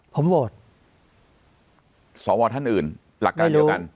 ผมโหวตสวท่านอื่นหลักการเดียวกัน